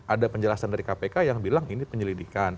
ada penjelasan dari kpk yang bilang ini penyelidikan